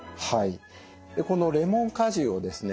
このレモン果汁をですね